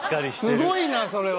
すごいなそれは。